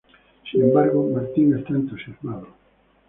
Sin embargo, Martin está entusiasmado.